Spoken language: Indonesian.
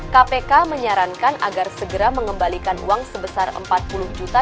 kpk menyarankan agar segera mengembalikan uang sebesar empat puluh juta